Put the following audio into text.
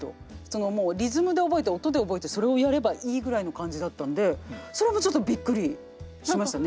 もうリズムで覚えて音で覚えてそれをやればいいぐらいの感じだったんでそれもちょっとびっくりしましたね。